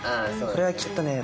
これはきっとね。